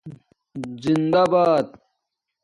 زندہ بات